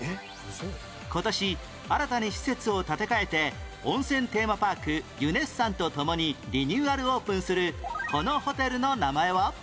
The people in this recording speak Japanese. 今年新たに施設を建て替えて温泉テーマパークユネッサンと共にリニューアルオープンするこのホテルの名前は？